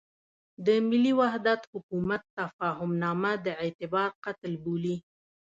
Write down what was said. د ملي وحدت حکومت تفاهمنامه د اعتبار قتل بولم.